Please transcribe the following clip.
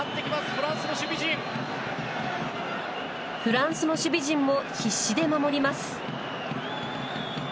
フランスの守備陣も必死で守ります。